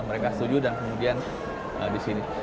mereka setuju dan kemudian di sini